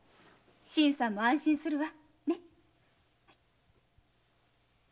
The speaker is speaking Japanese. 新さんも安心するわ。ね？